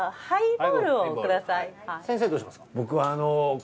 はい。